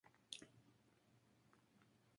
Al final de ese mismo año, desembarcó en Paraguay.